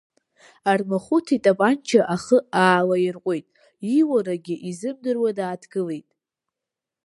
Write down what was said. Армахәыҭ итапанча ахы аалаирҟәит, ииурагьы изымдыруа дааҭгылеит.